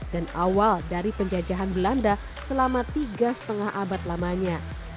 dan awal dari penjajahan belanda selama tiga lima abad lamanya